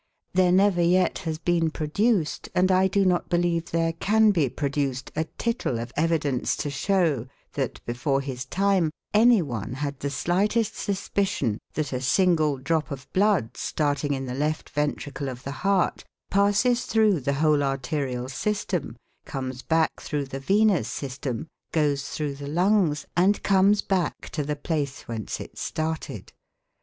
There never yet has been produced, and I do not believe there can be produced, a tittle of evidence to show that, before his time, any one had the slightest suspicion that a single drop of blood, starting in the left ventricle of the heart, passes through the whole arterial system, comes back through the venous system, goes through the lungs, and comes back to the place whence it started.